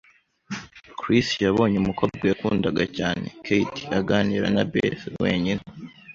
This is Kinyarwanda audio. Chris yabonye umukobwa yakundaga cyane, Kate, aganira na Beth wenyine.